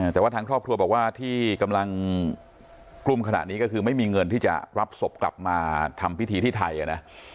แต่ว่าทางครอบครัวบอกว่าที่กำลังกลุ้มขณะนี้ก็คือไม่มีเงินที่จะรับศพกลับมาทำพิธีที่ไทยนะ